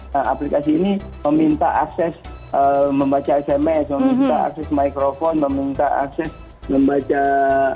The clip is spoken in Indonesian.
nah aplikasi ini meminta akses membaca sms meminta akses microphone meminta akses membaca